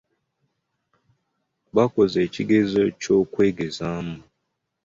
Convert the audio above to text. Baakoze ekigezo eky'okwegezaamu.